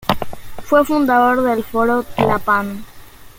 Fue fundador del Foro Tlalpan.